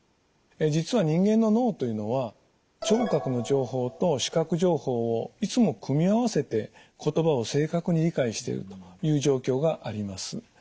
実は人間の脳というのは聴覚の情報と視覚情報をいつも組み合わせて言葉を正確に理解しているという状況があります。